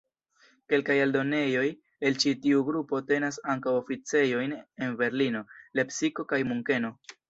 Kelkaj eldonejoj el ĉi tiu grupo tenas ankaŭ oficejojn en Berlino, Lepsiko kaj Munkeno.